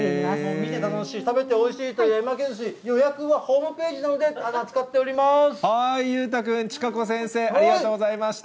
見て楽しい、食べておいしいという巻きずし、予約はホームページなどで扱って裕太君、千賀子先生、ありがとうございました。